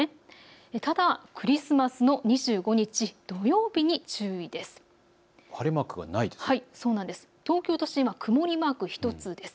ただクリスマスの２５日、土曜日に注意です。